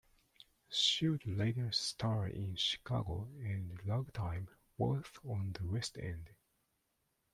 She would later star in "Chicago" and "Ragtime", both on the West End.